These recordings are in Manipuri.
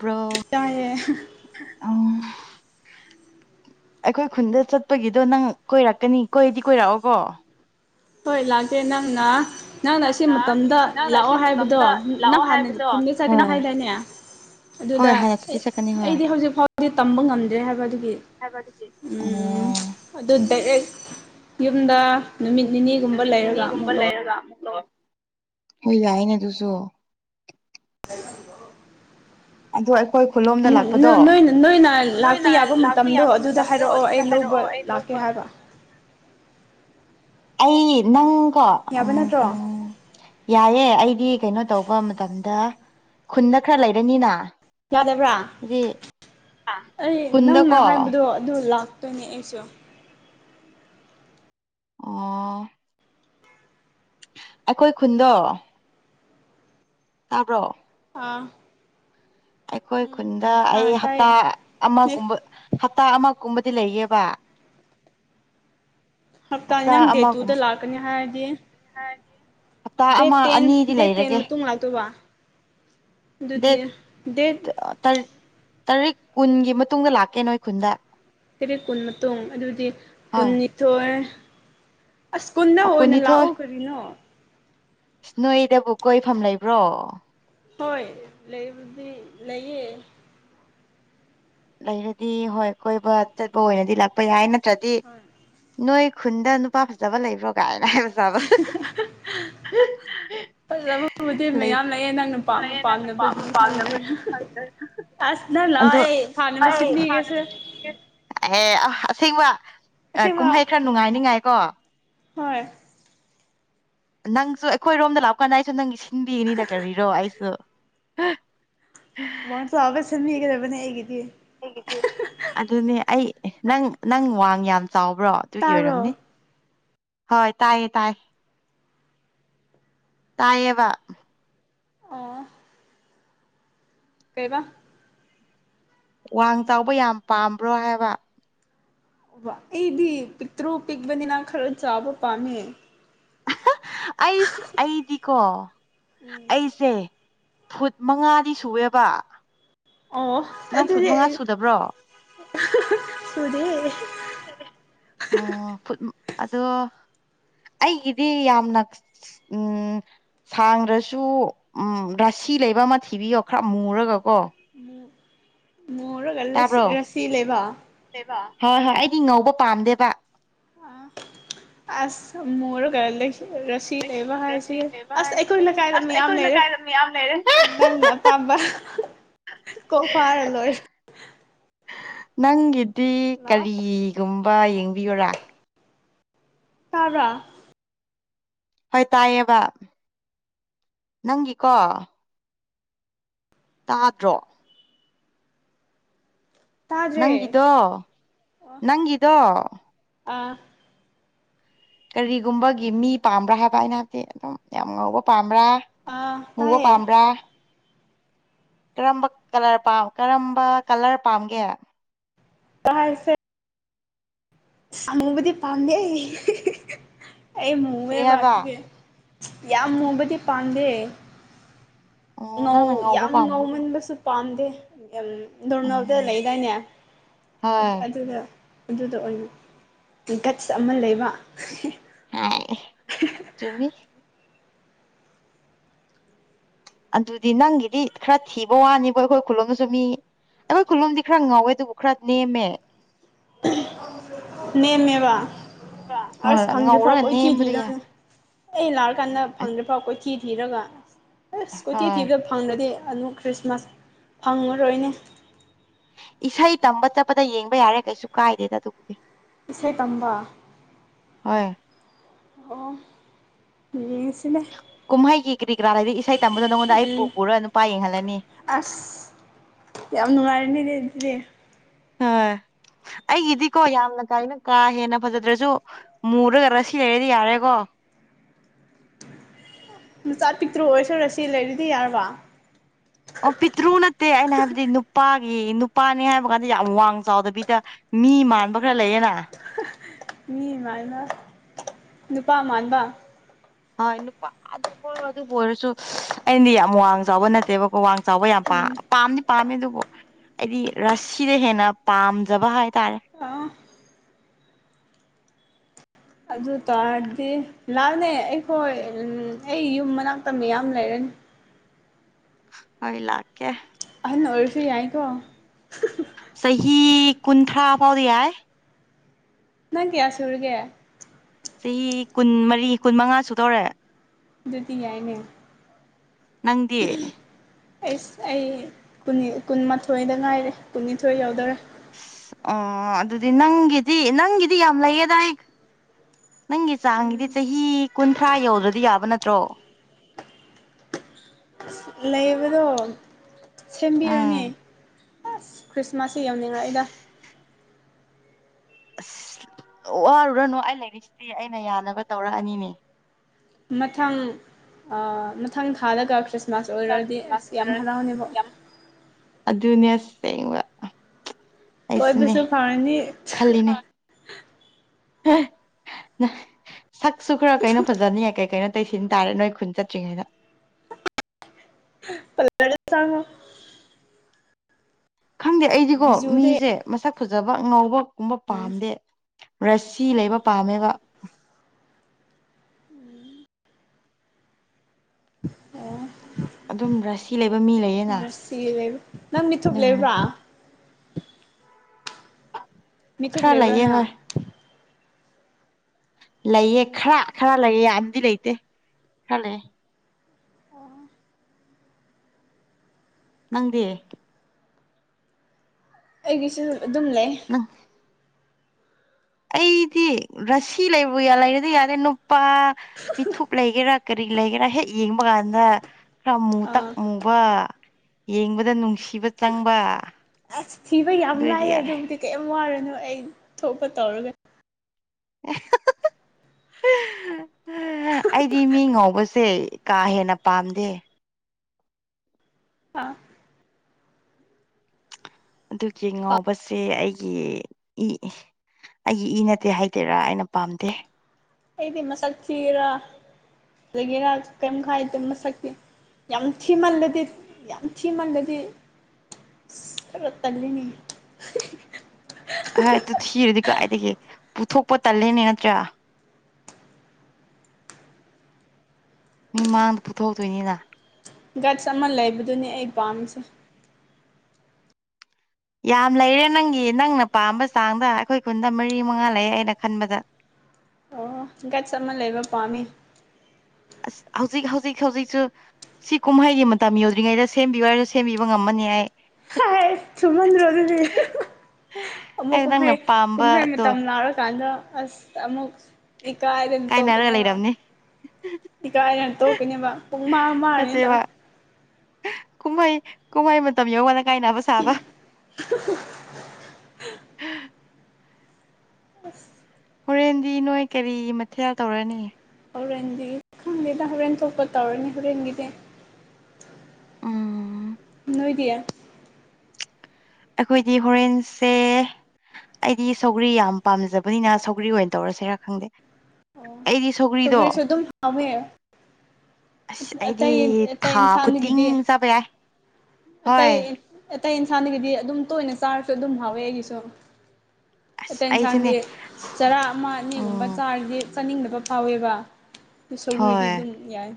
ꯄ꯭ꯔꯣ ꯇꯥꯏꯌꯦ ꯑꯥꯎ ꯑꯩꯈꯣꯏ ꯈꯨꯟꯗ ꯆꯠꯄꯒꯤꯗꯣ ꯅꯪ ꯀꯣꯏꯔꯛꯀꯅꯤ ꯀꯣꯏꯗꯤ ꯀꯣꯏꯔꯛꯑꯣ ꯀꯣ ꯍꯣꯏ ꯂꯥꯛꯀꯦ ꯅꯪꯅ ꯅꯪꯅ ꯑꯁꯤ ꯃꯇꯝꯗ ꯅꯪꯅ ꯂꯥꯛꯑꯣ ꯁꯤ ꯍꯥꯏꯕꯗꯣ ꯃꯇꯝꯗ ꯅꯪ ꯂꯥꯛꯑꯣ ꯍꯥꯟꯅ ꯍꯥꯏꯕꯗꯣ ꯈꯨꯟꯗ ꯆꯠꯀꯅꯤ ꯍꯣꯏ ꯍꯥꯏꯗꯥꯏꯅꯦ ꯑꯗꯨꯗ ꯍꯣꯏ ꯍꯥꯟꯅ ꯑꯩ ꯆꯠꯇꯤ ꯆꯠꯀꯅꯤ ꯍꯣꯏ ꯑꯩꯗꯤ ꯍꯧꯖꯤꯛ ꯐꯥꯎꯗꯤ ꯇꯝꯕ ꯉꯝꯗ꯭ꯔꯦ ꯍꯥꯏꯕ ꯑꯗꯨꯒꯤ ꯍꯥꯏꯕ ꯑꯗꯨꯒꯤ ꯎꯝ ꯑꯗꯨ ꯗꯥꯏꯔꯦꯛ ꯌꯨꯝꯗ ꯅꯨꯃꯤꯠ ꯅꯤꯅꯤꯒꯨꯝꯕ ꯅꯨꯃꯤꯠ ꯂꯩꯔꯒ ꯑꯃꯨꯛ ꯅꯤꯅꯤꯒꯨꯝꯕ ꯂꯧ ꯂꯩꯔꯒ ꯑꯃꯨꯛ ꯇꯧ ꯍꯣꯏ ꯌꯥꯏꯅꯦ ꯑꯗꯨꯁꯨ ꯑꯗꯣ ꯑꯩꯈꯣꯏ ꯈꯨꯂꯣꯝꯗ ꯂꯥꯛꯄꯗꯣ ꯅꯣꯏ ꯅꯣꯏꯅ ꯅꯣꯏꯅ ꯂꯥꯛꯄ ꯅꯣꯏꯅ ꯌꯥꯕ ꯂꯥꯛꯄ ꯃꯇꯝꯗꯣ ꯌꯥꯕ ꯑꯗꯨꯗ ꯃꯇꯝꯗꯣ ꯍꯥꯏꯔꯛꯑꯣ ꯑꯩ ꯑꯗꯨꯗ ꯂꯧꯕ ꯍꯥꯏꯔꯛꯑꯣ ꯑꯩ ꯂꯥꯛ ꯀꯩ ꯂꯧꯕ ꯍꯥꯏꯕ ꯑꯩ ꯅꯪꯒ ꯑꯝ ꯌꯥꯕ ꯅꯠꯇ꯭ꯔꯣ ꯎꯝ ꯌꯥꯏꯌꯦ ꯑꯩꯗꯤ ꯀꯩꯅꯣ ꯇꯧꯕ ꯃꯇꯝꯗ ꯈꯨꯟꯗ ꯈꯔ ꯂꯩꯔꯅꯤꯅ ꯌꯥꯗꯕ꯭ꯔꯥ ꯍꯥꯏꯗꯤ ꯑꯥ ꯑꯩ ꯈꯨꯟꯗꯀꯣ ꯅꯪꯅ ꯍꯥꯏꯕꯗꯣ ꯑꯗꯨ ꯂꯥꯛꯇꯣꯏꯅꯦ ꯑꯩꯁꯨ ꯑꯣ ꯑꯩꯈꯣꯏ ꯈꯨꯟꯗꯣ ꯇꯥꯕ꯭ꯔꯣ ꯑꯥ ꯑꯩꯈꯣꯏ ꯎꯝ ꯈꯨꯟꯗ ꯑꯥ ꯑꯩ ꯍꯞꯇꯥ ꯇꯥꯏꯌꯦ ꯅꯦꯛꯁ ꯑꯃꯒꯨꯝꯕ ꯍꯞꯇꯥ ꯑꯃꯀꯨꯝꯕꯗꯤ ꯂꯩꯒꯦꯕ ꯍꯞꯇꯥꯏ ꯍꯞꯇꯥ ꯅꯪ ꯗꯦ ꯑꯃꯒꯨꯝ ꯇꯨꯗ ꯂꯥꯛꯀꯅꯤ ꯍꯥꯏꯔꯗꯤ ꯍꯥꯏꯗꯤ ꯍꯞꯇꯥ ꯗꯦꯠ ꯑꯃ ꯇꯦꯟ ꯑꯅꯤꯗꯤ ꯗꯦꯠ ꯇꯦꯟ ꯂꯩꯔꯒꯦ ꯃꯇꯨꯡ ꯂꯥꯛꯇꯣꯏꯕ ꯗꯦꯠ ꯑꯗꯨꯗꯤ ꯗꯦꯠ ꯇꯥꯑ ꯇꯔ ꯇꯥꯔꯤꯛ ꯀꯨꯟꯒꯤ ꯃꯇꯨꯡꯗ ꯂꯥꯛꯀꯦ ꯅꯣꯏ ꯈꯨꯟꯗ ꯇꯔꯤꯠ ꯀꯨꯟ ꯃꯇꯨꯡ ꯑꯗꯨꯗꯤ ꯍꯣꯏ ꯀꯨꯟꯅꯤꯊꯣꯏ ꯑꯁ ꯀꯨꯟꯗ ꯑꯣꯏꯅ ꯂꯥꯑꯣ ꯀꯔꯤꯅꯣ ꯏꯁ ꯅꯣꯏꯗꯕꯨ ꯀꯣꯏꯐꯝ ꯂꯩꯕ꯭ꯔꯣ ꯍꯣꯏ ꯂꯩꯕꯨꯗꯤ ꯂꯩꯌꯦ ꯂꯩꯔꯗꯤ ꯍꯣꯏ ꯀꯣꯏꯕ ꯆꯠꯄ ꯑꯣꯏꯅꯗꯤ ꯂꯥꯛꯄ ꯌꯥꯏ ꯅꯠꯇ꯭ꯔꯗꯤ ꯍꯣꯏ ꯅꯣꯏ ꯈꯨꯟꯗ ꯅꯨꯄꯥ ꯐꯖꯕ ꯂꯩꯕ꯭ꯔꯣ ꯀꯥꯏꯅ ꯍꯥꯏꯕꯖꯥꯕ [unintelligible] ꯐꯖꯕꯕꯨꯗꯤ ꯂꯩ ꯃꯌꯥꯝ ꯂꯩꯌꯦ ꯅꯪꯅꯥ ꯄꯥꯝꯕ ꯂꯩꯌꯦ ꯅꯪꯅ ꯄꯥꯝꯕ ꯄꯥꯝꯗꯕꯒꯤꯗꯤ ꯈꯪꯗꯔꯦ ꯄꯥꯝꯗꯕꯗꯨꯗꯤ ꯈꯪꯗꯦ ꯑꯥꯁ ꯅꯪ ꯂꯥꯑꯣ ꯑꯗꯣ ꯑꯩ ꯐꯥꯅꯕ ꯑꯩ ꯁꯤꯟꯕꯤꯒꯦꯁꯦ ꯐꯥꯅꯕ ꯁꯤꯟꯕꯤꯒꯦ ꯑꯦ ꯑꯣ ꯑꯁꯦꯡꯕ ꯑꯁꯦꯡꯕ ꯀꯨꯝꯍꯩ ꯈꯔ ꯅꯨꯉꯥꯏꯅꯤꯉꯥꯏꯀꯣ ꯍꯣꯏ ꯅꯪꯁꯨ ꯑꯩꯈꯣꯏꯔꯣꯝꯗ ꯂꯥꯛꯄꯀꯥꯟꯗ ꯑꯩꯁꯨ ꯅꯪꯒꯤ ꯁꯤꯟꯕꯤꯒꯅꯤꯗ ꯀꯔꯤꯔꯣ ꯑꯩꯁꯨ [unintelligible] ꯋꯥꯡ ꯆꯥꯎꯕ ꯁꯤꯟꯕꯤꯒꯗꯕꯅꯦ ꯑꯩꯒꯤꯗꯤ ꯑꯩꯒꯤꯗꯤ ꯑꯗꯨꯅꯦ ꯑꯩ ꯅꯪ ꯅꯪ ꯋꯥꯡ ꯌꯥꯝ ꯆꯥꯎꯕ꯭ꯔꯣ ꯇꯨꯒꯤ ꯇꯥꯕ꯭ꯔꯣ ꯑꯣꯏꯔꯝꯅꯤ ꯍꯣꯏ ꯇꯥꯏꯌꯦ ꯇꯥꯏ ꯇꯥꯏꯌꯦꯕ ꯑꯣ ꯀꯩꯕꯥ ꯋꯥꯡ ꯆꯥꯎꯕ ꯌꯥꯝ ꯄꯥꯝꯕ꯭ꯔꯣ ꯍꯥꯏꯕ ꯋꯥ ꯑꯩꯗꯤ ꯄꯤꯛꯇ꯭ꯔꯨ ꯄꯤꯛꯕꯅꯤꯅ ꯈꯔ ꯆꯥꯎꯕ ꯄꯥꯝꯃꯦ ꯑꯩꯁ ꯑꯩꯗꯤꯀꯣ ꯑꯩꯁꯦ ꯐꯨꯠ ꯃꯉꯥꯗꯤ ꯁꯨꯋꯦꯕ ꯑꯣ ꯅꯪ ꯐꯨꯠ ꯑꯗꯨꯗꯤ ꯃꯉꯥ ꯁꯨꯗꯕ꯭ꯔꯣ ꯁꯨꯗꯦ ꯑꯣ ꯐꯨꯠ ꯑꯗꯣ ꯑꯩꯒꯤꯗꯤ ꯌꯥꯝꯅ ꯎꯝ ꯁꯥꯡꯗ꯭ꯔꯁꯨ ꯎꯝ ꯔꯥꯁꯤ ꯂꯩꯕ ꯑꯃ ꯊꯤꯕꯤꯌꯣ ꯈꯔ ꯃꯨꯔꯒꯀꯣ ꯃꯨꯔꯒꯥ ꯂꯁ ꯔꯁꯤ ꯂꯩꯕ ꯂꯩꯕꯥ ꯍꯣꯏ ꯍꯣꯏ ꯑꯩꯗꯤ ꯉꯧꯕ ꯄꯥꯝꯗꯦꯕ ꯑ ꯑꯁ ꯃꯨꯔꯒ ꯂꯩ ꯔꯥꯁꯤ ꯁꯤ ꯂꯩꯕ ꯍꯥꯏꯁꯦ ꯔꯁꯤ ꯂꯩꯕ ꯑꯁ ꯍꯥꯏꯁꯦ ꯑꯩꯈꯣꯏ ꯂꯩꯀꯥꯏꯗ ꯑꯁ ꯃꯤꯌꯥꯝ ꯑꯩꯈꯣꯏ ꯂꯩꯔꯦ ꯂꯩꯀꯥꯏꯗ ꯃꯌꯥꯝ ꯂꯩꯔꯦ ꯅꯪꯅ ꯑꯄꯥꯝꯕ ꯀꯣꯛ ꯐꯥꯔ ꯂꯣꯏꯔꯦ ꯅꯪꯒꯤꯗꯤ ꯀꯔꯤꯒꯨꯝꯕ ꯌꯦꯡꯕꯤꯌꯨꯔꯥ ꯇꯥꯕ꯭ꯔꯥ ꯍꯣꯏ ꯇꯥꯏꯌꯦꯕ ꯅꯪꯒꯤꯀꯣ ꯇꯥꯗ꯭ꯔꯣ ꯇꯥꯗ꯭ꯔꯦ ꯅꯪꯒꯤꯗꯣ ꯑꯣ ꯅꯪꯒꯤꯗꯣ ꯑꯥ ꯀꯔꯤꯒꯨꯝꯕꯒꯤ ꯃꯤ ꯄꯥꯝꯕ꯭ꯔꯥ ꯍꯥꯏꯕ ꯑꯩꯅꯥ ꯍꯥꯏꯕꯗꯤ ꯑꯗꯨꯝ ꯌꯥꯝ ꯉꯧꯕ ꯄꯥꯝꯕ꯭ꯔꯥ ꯑꯥ ꯃꯨꯕ ꯇꯥꯏꯌꯦ ꯄꯥꯝꯕ꯭ꯔꯥ ꯀꯔꯝꯕ ꯀꯂꯔ ꯄꯥꯝ ꯀꯔꯝꯕ ꯀꯂꯔ ꯄꯥꯝꯒꯦ ꯇꯥꯔꯁꯦ ꯑꯃꯨꯕꯗꯤ ꯄꯥꯃꯗꯦ ꯑꯩ ꯀꯔꯤ ꯃꯨꯌꯦꯕꯥ ꯍꯥꯏꯕ ꯑꯗꯨꯒꯤ ꯌꯥꯝ ꯃꯨꯕꯗꯤ ꯄꯥꯝꯗꯦ ꯑꯣ ꯉꯧ ꯅꯪꯅ ꯉꯧꯕ ꯌꯥꯝ ꯄꯥꯝꯕ ꯉꯧꯃꯟꯕꯁꯨ ꯄꯥꯝꯗꯦ ꯌꯥꯝ ꯅꯣꯔꯃꯦꯜꯗ ꯎꯝ ꯂꯩꯗꯥꯏꯅꯦ ꯍꯣꯏ ꯑꯗꯨꯗ ꯑꯗꯨꯗ ꯑꯣꯏꯅ ꯒꯠꯁ ꯑꯃ ꯂꯩꯕ ꯍꯥꯏ ꯆꯨꯝꯃꯤ ꯑꯗꯨꯗꯤ ꯅꯪꯒꯤꯗꯤ ꯈꯔ ꯊꯤꯕ ꯋꯥꯅꯤꯕꯣ ꯑꯩꯈꯣꯏ ꯈꯨꯜ ꯂꯣꯝꯗꯁꯨ ꯃꯤ ꯑꯩꯈꯣꯏ ꯈꯨꯜ ꯂꯣꯝꯗꯤ ꯈꯔ ꯉꯧꯋꯦ ꯑꯗꯨꯕꯨ ꯈꯔ ꯅꯦꯝꯃꯦ [unintelligible] ꯅꯦꯝꯃꯦꯕ ꯍꯣꯏ ꯑꯁ ꯐꯪꯗ꯭ꯔꯤꯐꯥꯎ ꯉꯧꯔꯒ ꯀꯣꯏꯊꯤ ꯅꯦꯝꯕꯗꯤ ꯌꯥꯝ ꯊꯤꯗꯧꯅꯤ ꯑꯩ ꯂꯥꯛꯑꯀꯥꯟꯗ ꯐꯪꯗ꯭ꯔꯤꯐꯥꯎ ꯀꯣꯏꯊꯤ ꯊꯤꯔꯒ ꯑꯁ ꯀꯣꯏꯊꯤ ꯍꯣꯏ ꯊꯤꯕꯗ ꯐꯪꯗꯗꯤ ꯑꯅꯨ ꯈ꯭ꯔꯤꯁꯃꯥꯁ ꯐꯪꯉꯔꯣꯏꯅꯦ ꯏꯁꯩ ꯇꯝꯕ ꯆꯠꯄꯗ ꯌꯦꯡꯕ ꯌꯥꯔꯦ ꯀꯩꯁꯨ ꯀꯥꯏꯗꯦꯗ ꯑꯗꯨꯕꯨꯗꯤ ꯏꯁꯩ ꯇꯝꯕ ꯍꯣꯏ ꯑꯣ ꯌꯦꯉꯁꯤꯅꯦ ꯀꯨꯝꯍꯩꯒꯤ ꯀꯔꯤ ꯀꯔꯥ ꯂꯩꯕꯩ ꯏꯁꯩ ꯇꯝꯕꯗꯣ ꯅꯉꯣꯟꯗ ꯑꯩ ꯄꯨ ꯎꯝ ꯄꯨꯔꯒ ꯅꯨꯄꯥ ꯌꯦꯡꯍꯜꯂꯅꯤ ꯑꯁ ꯌꯥꯝ ꯅꯨꯡꯉꯥꯏꯔꯅꯤꯅꯦ ꯑꯗꯨꯗꯤ ꯍꯣꯢ ꯑꯩꯒꯤꯗꯤꯀꯣ ꯌꯥꯝꯅ ꯀꯥꯏꯅ ꯀꯥ ꯍꯦꯟꯅ ꯐꯖꯗ꯭ꯔꯁꯨ ꯃꯨꯔꯒ ꯉꯁꯤ ꯂꯩꯔꯗꯤ ꯌꯥꯔꯦꯀꯣ ꯃꯆꯥꯥꯛ ꯄꯤꯛꯇ꯭ꯔꯨ ꯑꯣꯏꯁꯨ ꯔꯁꯤ ꯂꯩꯔꯗꯤ ꯌꯥꯔꯕ ꯑꯣ ꯄꯤꯇ꯭ꯔꯨ ꯅꯠꯇꯦ ꯑꯩꯅ ꯍꯥꯏꯕꯗꯤ ꯅꯨꯄꯥꯒꯤ ꯅꯨꯄꯥꯅꯤ ꯍꯥꯏꯕ ꯀꯥꯟꯗ ꯌꯥꯝ ꯋꯥꯡ ꯆꯥꯎꯗꯕꯤꯗ ꯃꯤ ꯃꯥꯟꯕ ꯈꯔ ꯂꯩꯌꯦꯅ ꯃꯤ ꯃꯥꯟꯕ ꯅꯨꯄꯥ ꯃꯥꯟꯕ ꯍꯣꯏ ꯅꯨꯄꯥ ꯑꯗꯨꯕꯨ ꯑꯗꯨꯕꯨ ꯑꯣꯏꯔꯁꯨ ꯑꯩꯗꯤ ꯌꯥꯝ ꯋꯥꯡ ꯆꯥꯎꯕ ꯅꯠꯇꯦꯕꯀꯣ ꯋꯥꯡ ꯆꯥꯎꯕ ꯌꯥꯝ ꯄꯥꯝ ꯄꯥꯝꯗꯤ ꯄꯥꯝꯃꯦ ꯑꯗꯨꯕꯨ ꯑꯩꯗꯤ ꯔꯁꯤꯗ ꯍꯦꯟꯅ ꯄꯥꯝꯖꯕ ꯍꯥꯏꯇꯥꯔꯦ ꯑ ꯑꯗꯨ ꯇꯔꯗꯤ ꯂꯥꯛꯅꯦ ꯑꯩꯈꯣꯏ ꯑꯩ ꯌꯨꯝ ꯃꯅꯥꯛꯇ ꯃꯌꯥꯝ ꯂꯩꯔꯅꯤ ꯍꯣꯢ ꯂꯥꯛꯀꯦ ꯑꯍꯟ ꯑꯣꯏꯔꯁꯨ ꯌꯥꯏ ꯀꯣ ꯆꯍꯤ ꯀꯨꯟꯊ꯭ꯔꯥ ꯐꯥꯎꯗꯤ ꯌꯥꯏ ꯅꯪ ꯀꯌꯥ ꯁꯨꯔꯒꯦ ꯆꯍꯤ ꯀꯨꯟ ꯃꯔꯤ ꯀꯨꯟꯃꯉꯥ ꯁꯨꯗꯧꯔꯦ ꯑꯗꯨꯗꯤ ꯌꯥꯏꯅꯦ ꯅꯪꯗꯤ ꯑꯩꯁ ꯑꯩ ꯀꯨꯟꯃꯥꯊꯣꯏꯗ ꯉꯥꯏꯔꯦ ꯀꯨꯟꯅꯤꯊꯣꯏ ꯌꯧꯗꯣꯔꯦ ꯑꯁ ꯑꯣ ꯑꯗꯨꯗꯤ ꯅꯪꯒꯤꯗꯤ ꯅꯪꯒꯤꯗꯤ ꯌꯥꯝ ꯂꯩꯌꯦꯗꯥꯏ ꯅꯪꯒꯤ ꯆꯥꯡꯒꯤꯗꯤ ꯎꯝ ꯆꯍꯤ ꯀꯨꯟꯊ꯭ꯔꯥ ꯌꯧꯗ꯭ꯔꯗꯤ ꯌꯥꯕ ꯅꯠꯇ꯭ꯔꯣ ꯂꯩꯕꯗꯣ ꯁꯦꯝꯕꯤꯔꯣꯅꯦ ꯎꯝ ꯑꯁ ꯈ꯭ꯔꯤꯁꯃꯥꯁꯁꯦ ꯌꯧꯅꯤꯡꯉꯛꯏꯗ ꯑꯁ ꯋꯥꯔꯨꯔꯅꯨ ꯑꯩ ꯂꯩꯔꯤꯁꯤꯗꯤ ꯑꯩꯅ ꯌꯥꯅꯕ ꯇꯧꯔꯛꯑꯅꯤꯅꯦ ꯃꯊꯪ ꯃꯊꯪ ꯊꯥꯗꯒ ꯈ꯭ꯔꯤꯁꯃꯥꯁ ꯑꯣꯏꯔꯛꯑꯥꯗꯤ ꯈ꯭ꯔꯤꯁꯃꯥꯁ ꯑꯁ ꯌꯥꯝ ꯑꯣꯏꯔꯗꯤ ꯍꯔꯥꯎꯅꯤꯕ‌ꯣ ꯌꯥꯝ ꯑꯗꯨꯅꯦ ꯑꯥꯁꯦꯡꯕ ꯑꯩꯁꯨꯅꯦ ꯀꯣꯏꯕꯁꯨ ꯐꯪꯔꯅꯤ ꯈꯜꯂꯤꯅꯦ ꯁꯛꯁꯨ ꯈꯔ ꯀꯩꯅꯣ ꯐꯖꯅꯤ ꯌꯥꯏ ꯀꯩ ꯀꯩꯅꯣ ꯇꯩꯁꯤꯟ ꯇꯔꯦ ꯅꯣꯏ ꯈꯨꯟ ꯆꯠꯇ꯭ꯔꯤꯉꯩꯗ ꯄ [unintelligible] ꯁꯉ [unintelligible] ꯈꯪꯗꯦ ꯑꯩꯗꯤꯀꯣ ꯕꯤꯖꯨꯗ ꯃꯤꯁꯦ ꯃꯁꯛ ꯐꯖꯕ ꯉꯧꯕꯒꯨꯝꯕ ꯄꯥꯝꯗꯦ ꯔꯥꯁꯤ ꯂꯩꯕ ꯄꯥꯝꯃꯦꯕ ꯎꯝ ꯑꯣ ꯑꯗꯨꯝ ꯔꯥꯁꯤ ꯂꯩꯕ ꯃꯤ ꯂꯩꯌꯦꯅ ꯂꯩꯕ ꯅꯪ ꯃꯤꯊꯨꯞ ꯑꯗꯨꯒꯨꯝꯕꯗ ꯂꯩꯕ꯭ꯔꯥ ꯃꯤꯊꯣꯞ ꯈꯔ ꯂꯩꯕ꯭ꯔꯥ ꯂꯩꯌꯦ ꯅꯪ ꯍꯣꯏ ꯂꯩꯌꯦ ꯈꯔ ꯈꯔ ꯂꯩꯑ ꯌꯥꯝꯗꯤ ꯂꯩꯇꯦ ꯈꯔ ꯂꯩꯑ ꯅꯪꯗꯤ ꯑꯩꯒꯤꯁꯨ ꯑꯗꯨꯝ ꯂꯩ ꯑ [unintelligible] ꯑꯩꯗꯤ ꯔꯥꯁꯤ ꯂꯩꯕꯨ ꯂꯩꯔꯗꯤ ꯌꯥꯔꯦ ꯅꯨꯄꯥ ꯃꯤꯊꯨꯞ ꯂꯩꯒꯦꯔꯥ ꯀꯔꯤ ꯂꯩꯒꯦꯔꯥ ꯍꯦꯛ ꯌꯦꯡꯕ ꯀꯥꯟꯗ ꯈꯔ ꯃꯨꯇꯛ ꯑꯥ ꯃꯨꯕ ꯌꯦꯡꯕꯗ ꯅꯨꯡꯁꯤꯕ ꯆꯪꯕ ꯊꯤꯕ ꯌꯥꯝ ꯑꯗꯨ ꯑꯣꯏꯗꯤ ꯂꯥꯏꯑꯦ ꯌꯥꯔꯦ ꯑꯗꯨꯕꯨꯗꯤ ꯀꯩ ꯋꯥꯔꯨꯅꯨ ꯑꯩ ꯊꯣꯛꯄ ꯇꯧꯔꯒ [unintelligible] ꯑꯩꯗꯤ ꯃꯤ ꯉꯧꯕꯁꯦ ꯀꯥ ꯍꯦꯟꯅ ꯄꯥꯝꯗꯦ ꯑ ꯑꯗꯨꯒꯤ ꯉꯥꯎꯕꯁꯦ ꯑꯩꯒꯤ ꯏ ꯑꯩꯒꯤ ꯏ ꯅꯠꯇꯦ ꯍꯥꯏꯗꯦꯔꯥ ꯑꯩꯅ ꯄꯥꯝꯗꯦ ꯑꯩꯗꯤ ꯃꯁꯛ ꯊꯤꯒꯦꯔꯥ ꯐꯖꯥꯒꯤꯔꯥ ꯀꯩꯝ ꯈꯥꯏꯗꯦ ꯃꯁꯛꯇꯤ ꯌꯥꯝ ꯊꯤꯃꯜꯂꯗꯤ ꯌꯥꯝ ꯊꯤꯃꯜꯂꯗꯤ ꯈꯔꯥ ꯇꯂꯤꯅꯤ ꯑ ꯑꯗꯨ ꯊꯤꯔꯗꯤ ꯀꯥꯏꯗꯒꯤ ꯄꯨꯊꯣꯛꯄ ꯇꯜꯂꯦꯅꯦ ꯅꯠꯇ꯭ꯔꯥ ꯃꯤ ꯃꯥꯡꯗ ꯄꯨꯊꯣꯛꯇꯣꯏꯅꯤꯅ ꯒ꯭ꯠꯁ ꯑꯃ ꯂꯩꯕꯗꯨꯅꯤ ꯑꯩ ꯄꯥꯝꯃꯤꯁꯦ ꯌꯥꯝ ꯂꯩꯔꯦ ꯅꯪꯒꯤ ꯅꯪꯅ ꯄꯥꯝꯕ ꯆꯥꯡꯗ ꯑꯩꯈꯣꯏ ꯈꯨꯟꯗ ꯃꯔꯤ ꯃꯉꯥ ꯂꯩꯌꯦ ꯑꯩꯅ ꯈꯟꯕꯗ ꯒꯠ꯭ꯁ ꯑꯃꯥ ꯂꯩꯕ ꯄꯥꯃꯤ ꯑ ꯍꯧꯖꯤꯛ ꯍꯧꯖꯤꯛ ꯍꯧꯖꯤꯛꯁꯨ ꯁꯤ ꯀꯨꯝꯍꯩꯗꯤ ꯃꯇꯝ ꯌꯧꯗ꯭ꯔꯤꯉꯩꯗ ꯁꯦꯝꯕꯤꯌꯨ ꯍꯥꯏꯔꯁꯨ ꯁꯦꯝꯕꯤꯕ ꯉꯝꯃꯅꯤ ꯑꯩ ꯊꯨꯃꯟꯗꯔꫭ ꯑꯗꯨꯗꯤ ꯑꯃꯨꯛ ꯑꯩ ꯅꯪꯅ ꯀꯨꯝꯍꯩ ꯀꯨꯝꯍꯩ ꯄꯥꯝꯕꯗꯣ ꯃꯇꯝ ꯂꯥꯎꯔꯀꯥꯟꯗ ꯑꯁ ꯑꯃꯨꯛ ꯏꯀꯥꯥꯏꯗꯅ ꯀꯥꯏꯅꯔꯒ ꯇꫭꯛꯀꯅꯦꯕ ꯂꯩꯔꯝꯅꯤ ꯏꯀꯥꯏꯗꯅ ꯇꫭꯛꯀꯅꯦꯕ ꯄꯨꯡ ꯃꯥꯡ ꯃꯥꯡꯑꯅꯤ ꯇꯧ ꯅꯠꯇꯦꯕ ꯀꯨꯝꯍꯩ ꯀꯨꯝꯍꯩ ꯃꯇꯝ ꯌꯧ ꯋꯥꯅ ꯀꯥꯏꯅꯕ ꯁꯥꯕ [inaudible] ꯑꯁ ꯍꯣꯔꯦꯟꯗꯤ ꯅꯣꯏ ꯀꯔꯤ ꯃꯊꯦꯜ ꯇꯧꯔꯅꯤ꯫ ꯍꯣꯔꯦꯟꯗꯤ ꯈꯪꯗꯦꯗ ꯍꯣꯔꯦꯟ ꯊꯣꯛꯄ ꯇꯧꯔꯅꯤ ꯍꯣꯔꯦꯟꯒꯤꯗꯤ ꯎꯝ꯫ ꯅꯣꯏꯗꯤ ꯑꯩꯈꯣꯏꯗꯤ ꯍꯣꯔꯦꯟꯁꯦ ꯑꯩꯗꯤ ꯁꯧꯒ꯭ꯔꯤ ꯌꯥꯝ ꯄꯥꯝꯖꯕꯅꯤꯅ ꯁꯧꯒ꯭ꯔꯤ ꯑꯣꯏꯅ ꯇꯧꯔꯁꯤꯔ ꯈꯪꯗꯦ꯫ ꯑꯣ ꯑꯩꯗꯤ ꯁꯧꯒ꯭ꯔꯤꯗꯣ ꯁꯧꯒ꯭ꯔꯤ ꯁꯨ ꯑꯗꯨꯝ ꯍꯥꯎꯋꯦ ꯑꯁ ꯑꯩꯗꯤ ꯑꯇꯩ ꯑꯇꯩ ꯊꯥ ꯈꯨꯗꯤꯡ ꯏꯟꯁꯥꯡꯗꯒꯤꯗꯤ ꯆꯥꯕ ꯌꯥꯏ ꯑꯇꯩ ꯍꯣꯏ ꯑꯇꯩ ꯏꯟꯁꯥꯡꯗꯒꯤꯗꯤ ꯑꯗꯨꯝ ꯇꯣꯏꯅ ꯆꯥꯔꯁꯨ ꯑꯗꯨꯝ ꯍꯥꯎꯋꯦ ꯑꯩꯒꯤꯁꯨ ꯑꯁ ꯑꯇꯩ ꯑꯩꯁꯨꯅꯦ ꯏꯟꯁꯥꯡꯗꯤ ꯑꯁ ꯆꯔꯥ ꯑꯃ ꯑꯅꯤꯒꯨꯝꯕ ꯎꯝ ꯆꯥꯔꯗꯤ꯫ ꯆꯥꯅꯤꯡꯗꯕ ꯐꯥꯎꯋꯦꯕ ꯑꯗꯨ ꯁꯧꯒ꯭ꯔꯤꯗꯤ ꯍꯣꯏ ꯑꯗꯨꯝ ꯌꯥꯏ꯫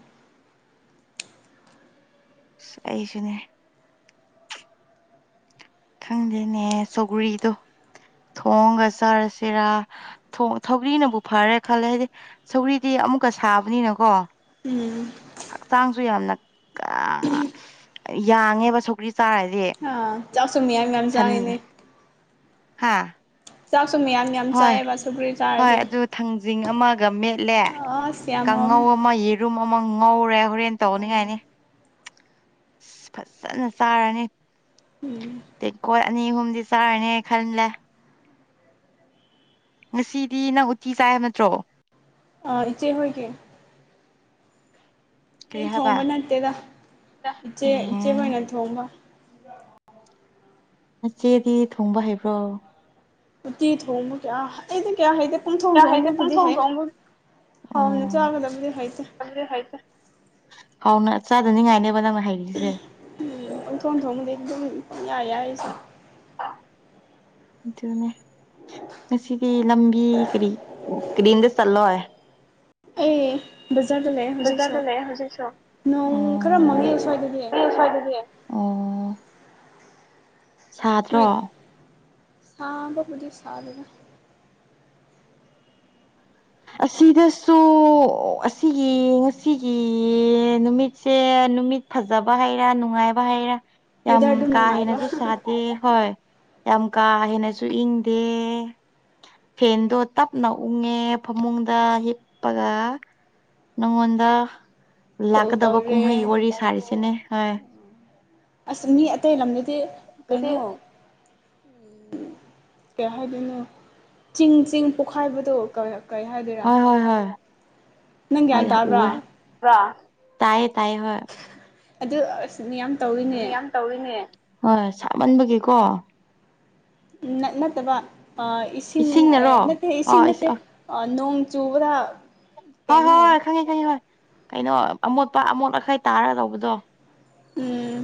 ꯑꯁ ꯑꯩꯁꯨꯅꯦ꯫ ꯈꯪꯗꯦꯅꯦ ꯁꯧꯒ‍꯭ꯔꯤꯗꯣ ꯊꯣꯡꯒ ꯆꯥꯔꯁꯤꯔ ꯊꫭꯡ ꯁꯧꯒ꯭ꯔꯤꯅꯕꯨ ꯐꯔꯦ ꯈꯜꯂꯦ ꯍꯥꯏꯗꯤ ꯁꯧꯒ꯭ꯔꯤꯗꯤ ꯑꯃꯨꯛꯀ ꯁꯥꯕꯅꯤꯅꯀꯣ꯫ ꯎꯝ꯫ ꯍꯛꯆꯥꯡꯁꯨ ꯌꯥꯝꯅ ꯀ ꯌꯥꯡꯉꯦꯕ ꯁꯧꯒ꯭ꯔꯤ ꯆꯥꯔꯗꯤ꯫ ꯑ ꯆꯥꯛꯁꯨ ꯃꯌꯥꯝ ꯌꯥꯝ ꯆꯥꯏꯅꯦ ꯁꯟ ꯍꯥꯥ ꯆꯥꯛꯁꯨꯨ ꯃꯌꯥꯝꯅꯤ ꯍꯣꯏ ꯍꯣꯏ ꯑꯗꯨ ꯊꯥꯡꯖꯤꯡ ꯑꯃꯒꯥ ꯃꯦꯠꯂꯦ ꯑꯁ ꯌꯥꯝ ꯍꯥꯎꯔꯝꯅꯤ ꯔꯨꯝ ꯑꯃ ꯉꯧꯔꯦ ꯍꯣꯔꯦꯟ ꯇꯧꯅꯤꯡꯉꯥꯏꯅꯤ꯫ ꯐꯖꯅꯥ ꯆꯥꯔꯅꯤ ꯎꯝ ꯇꯦꯡꯀꯣꯠ ꯑꯅꯤ ꯑꯍꯨꯝꯗꯤ ꯆꯥꯔꯅꯤ ꯈꯜꯂꯦ꯫ ꯉꯁꯤꯗꯤ ꯅꯪ ꯎꯇꯤ ꯆꯥꯏ ꯍꯥꯏꯕ ꯅꯠꯇ꯭ꯔꯣ ꯑꯥ ꯏꯆꯦ ꯍꯣꯏꯒꯤ ꯀꯔꯤ ꯑꯩ ꯍꯥꯏꯕ ꯊꯣꯡꯕ ꯅꯠꯇꯦꯗ ꯏꯆꯦ ꯏꯆꯦ ꯎꯝ ꯍꫭꯏꯅ ꯊꯣꯡꯕ ꯅꯆꯦꯗꯤ ꯊꯣꯡꯕ ꯍꯩꯕ꯭ꯔꯣ꯫ ꯎꯇꯤ ꯊꫭꯡꯕ ꯀꯌꯥ ꯑꯩꯗꯤ ꯀꯌꯥ ꯍꯩꯇꯦ ꯫ ꯄꯪꯊꯣꯡ ꯀꯌꯥ ꯍꯩꯇꯦ ꯊꫭꯡꯕꯕꯨꯗꯤ ꯄꯨꯡꯊꯣꯡ ꯍꯩꯌꯦ ꯊꯣꯡꯕ ꯍꯥꯎꯅ ꯆꯥꯒꯗꯕꯗꯤ ꯍꯩꯇꯦ꯫ ꯑꯗꯨꯗꯤ ꯍꯩꯇꯦ ꯍꯥꯎꯅ ꯆꯥꯗꯅꯤꯡꯉꯥꯏꯅꯦꯕ ꯅꯪꯅ ꯍꯩꯔꯤꯁꯦ꯫ ꯎꯝ ꯄꯪꯊꯣꯡ ꯊꯣꯡꯃꯗꯤ ꯑꯩ ꯑꯗꯨꯝ ꯄꯪꯌꯥ ꯌꯥꯏ ꯑꯩ ꯆꯥꯕ ꯑꯗꯨꯅꯦ ꯉꯁꯤꯗꯤ ꯂꯝꯕꯤ ꯀꯔꯤ ꯀꯔꯝꯗꯥ ꯆꯜꯂꫭ꯫ ꯑꯩ ꯕꯖꯥꯔꯗ ꯂꯩꯌꯦ ꯍꯧꯖꯤꯛꯁꯨ ꯕꯖꯥꯔꯗ ꯂꯩꯌꯦ ꯍꯧꯖꯤꯛꯁꯨ ꯅꯣꯡ ꯈꯔ ꯃꯥꯡꯉꯦ ꯁ꯭ꯋꯥꯏꯗꯗꯤ ꯅꯣꯏ ꯁ꯭ꯋꯥꯏꯗꯗꯤ ꯑꯣ ꯁꯥꯗ꯭ꯔꯣ꯫ ꯅꯣꯏ ꯁꯥꯕꯕꯨꯗꯤ ꯁꯥꯥꯗꯦꯗꯥ ꯑꯁꯤꯗꯁꯨ ꯑꯁꯤꯒꯤ ꯉꯁꯤꯒꯤ ꯅꯨꯃꯤꯠꯁꯦ ꯅꯨꯃꯤꯠ ꯐꯖꯕꯥ ꯍꯩꯔꯥ ꯅꯨꯡꯉꯥꯏꯕ ꯍꯩꯔꯥ ꯌꯥꯝ ꯋꯦꯗꯔ ꯑꯗꯨꯝ ꯀꯥ ꯅꯨꯡꯉꯥꯏꯕ ꯍꯦꯟꯅꯁꯨ ꯁꯥꯗꯦ ꯍꯣꯏ ꯌꯥꯝ ꯀꯥ ꯍꯦꯟꯅꯁꯨ ꯏꯪꯗꯦ ꯐꯦꯟꯗꯣ ꯇꯞꯅ ꯎꯪꯉꯦ ꯐꯃꯨꯡꯗ ꯍꯤꯞꯄꯒ ꯅꯪꯉꯣꯟꯗ ꯀꯣꯜ ꯂꯥꯛꯀꯗꯕ ꯇꯧꯔꯦ ꯀꯨꯝꯍꯩ ꯋꯥꯔꯤ ꯁꯥꯔꯤꯁꯤꯅꯦ ꯍꯣꯏ ꯑꯁ ꯃꯤ ꯑꯇꯩ ꯂꯝꯗꯗꯤ ꯍꯣꯏ ꯀꯩꯅꯣ ꯀꯩ ꯍꯥꯏꯗꯣꯏꯅꯣ ꯆꯤꯡ ꯆꯤꯡ ꯄꯣꯛꯈꯥꯏꯕꯗꯣ ꯀꯩ ꯍꯥꯏꯗꯣꯏꯔꯥ ꯍꯣꯏ ꯍꯣꯏ ꯍꯣꯏ ꯅꯪ ꯒ꯭ꯌꯥꯟ ꯍꯣꯏ ꯇꯥꯕ꯭ꯔꯥ ꯎꯋꯦ ꯕ꯭ꯔꯥ ꯇꯥꯏꯌꯦ ꯇꯥꯏꯌꯦ ꯍꯣꯏ ꯑꯗꯨ ꯑꯁ ꯃꯤꯌꯥꯝ ꯇꯧꯔꯤꯅꯦ ꯌꯥꯝ ꯇꯧꯔꯤꯅꯦ ꯍꯣꯏ ꯁꯥꯃꯟꯕꯒꯤꯀꯣ ꯅꯠ ꯅꯠꯇꯕ ꯑ ꯏꯁꯤꯡ ꯑꯦ ꯏꯁꯤꯡꯅꯔꯣ ꯅꯠꯇꯦ ꯏꯁꯤꯡ ꯑꯣ ꯅꯠꯇꯦ ꯑ ꯅꯣꯡ ꯆꯨꯕꯗ ꯍꯣꯏ ꯀꯩꯅꯣ ꯍꯣꯏ ꯈꯪꯉꯦ ꯈꯪꯉꯦ ꯍꯣꯏ ꯀꯩꯅꯣ ꯑꯃꯣꯠꯄ ꯑꯃꯣꯠ ꯑꯀꯥꯏ ꯇꯥꯔꯒ ꯇꯧꯕꯗꯣ ꯎꯝ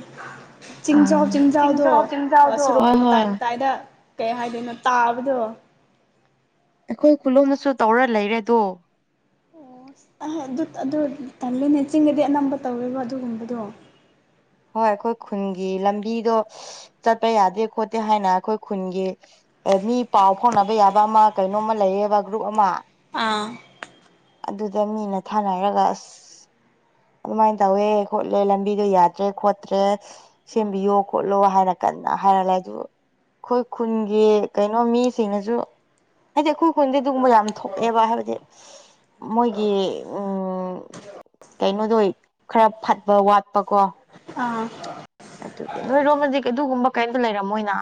ꯆꯤꯡꯖꯥꯎ ꯑꯥ ꯆꯤꯡꯖꯥꯎꯗꯣ ꯆꯤꯡꯖꯥꯎ ꯑ ꯆꯤꯡꯖꯥꯎꯗꯣ ꯁꯣꯔꯣꯛ ꯍꯣꯏ ꯍꯣꯏ ꯃꯇꯥꯏ ꯃꯇꯥꯏꯗ ꯀꯩ ꯍꯥꯏꯗꯣꯏꯅꯣ ꯇꯥꯕꯗꯣ ꯑꯩꯈꯣꯏ ꯈꯨꯜꯂꯣꯝꯗꯁꯨ ꯇꯧꯔ ꯂꯩꯔꯦꯗꯣ ꯑꯣ ꯑꯗꯨ ꯑꯗꯨ ꯇꯜꯂꯦꯅꯦ ꯆꯤꯡꯗꯗꯤ ꯑꯅꯝꯕ ꯇꯧꯋꯦꯕ ꯑꯗꯨꯒꯨꯝꯕꯗꯣ ꯍꯣꯏ ꯑꯩꯈꯣꯏ ꯈꯨꯟꯒꯤ ꯂꯝꯕꯤꯗꯣ ꯆꯠꯄ ꯌꯥꯗꯦ ꯈꯣꯠꯇꯦ ꯍꯥꯏꯅ ꯑꯩꯈꯣꯏ ꯈꯨꯟꯒꯤ ꯃꯤ ꯄꯥꯎ ꯐꯥꯎꯅꯕ ꯌꯥꯕ ꯑꯃ ꯀꯩꯅꯣꯝꯃ ꯂꯩꯌꯦꯕ ꯒ꯭ꯔꯨꯞ ꯑꯃ ꯑꯥ ꯑꯗꯨꯗ ꯃꯤꯅ ꯊꯥꯅꯔꯒ ꯑꯁ ꯑꯗꯨꯃꯥꯏ ꯇꯧꯋꯦ ꯈꯣꯠꯂꯦ ꯂꯝꯕꯤꯗꯣ ꯌꯥ ꯗ꯭ꯔꯦ ꯈꯣꯠꯇ꯭ꯔꯦ ꯁꯦꯝꯕꯤꯌꯣ ꯈꯣꯠꯂꯣ ꯍꯥꯏꯔ ꯀꯟꯅ ꯍꯥꯏꯔ ꯂꯩ ꯑꯗꯨ ꯑꯩꯈꯣꯏ ꯈꯨꯟꯒꯤ ꯀꯩꯅꯣ ꯃꯤꯁꯤꯡꯅꯁꯨ ꯍꯥꯏꯗꯤ ꯑꯩꯈꯣꯏ ꯈꯨꯟꯗꯤ ꯑꯗꯨꯒꯨꯝꯕ ꯌꯥꯝ ꯊꯣꯛꯑꯦꯕ ꯍꯥꯏꯕꯗꯤ ꯃꯣꯏꯒꯤ ꯎꯝ ꯀꯩꯅꯣꯗꯣ ꯈꯔ ꯐꯠꯄ ꯋꯥꯠꯄ ꯀꯣ ꯑꯥ ꯑꯗꯨꯒꯤ ꯅꯣꯏꯔꯣꯝꯗꯗꯤ ꯑꯗꯨꯒꯨꯝꯕ ꯀꯩꯝꯇ ꯂꯩꯔꯝꯃꯣꯏꯅ